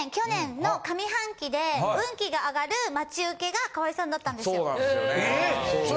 ２０２１年の上半期で、運気が上がる待ち受けが川合さんだったんです。